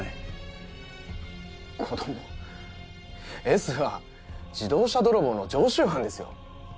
Ｓは自動車泥棒の常習犯ですよ